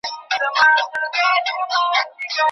که دي تڼۍ شلېدلي نه وي څوک دي څه پیژني